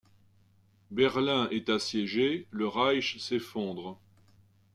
Berlin est assiégée, le Reich s'effondre.